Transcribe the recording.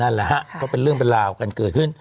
นั่นแหละฮะก็เป็นเรื่องเป็นราวกันเกิดขึ้น